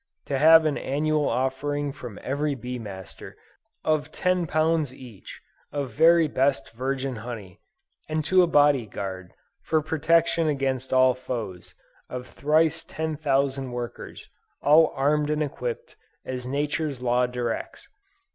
to have an annual offering from every bee master, of ten pounds each, of very best virgin honey, and to a body guard, for protection against all foes, of thrice ten thousand workers, all armed and equipped, as Nature's law directs.